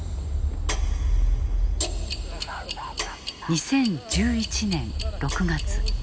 ２０１１年６月。